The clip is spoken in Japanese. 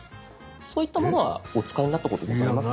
そういったものはお使いになったことございますか？